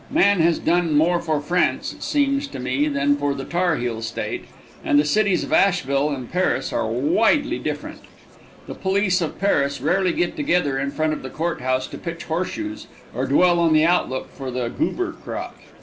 Man has done more for France, it seems to me, than for the Tar Heel State, and the cities of Asheville and Paris are widely different. The police of Paris rarely get together in front of the court house to pitch horseshoes or dwell on the outlook for the goober crop.